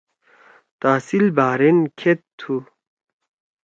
تحصیل بحرین کھید تُھو؟